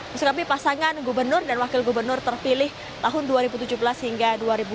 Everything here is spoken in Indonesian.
misalkan pasangan gubernur dan wakil gubernur terpilih tahun dua ribu tujuh belas hingga dua ribu dua puluh dua